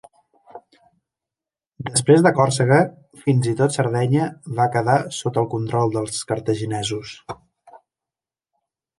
Després de Còrsega, fins i tot Sardenya va quedar sota el control dels cartaginesos.